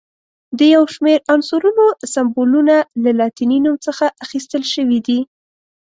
د یو شمېر عنصرونو سمبولونه له لاتیني نوم څخه اخیستل شوي دي.